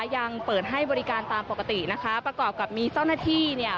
ยังเปิดให้บริการตามปกตินะคะประกอบกับมีเจ้าหน้าที่เนี่ย